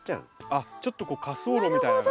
あっちょっと滑走路みたいな。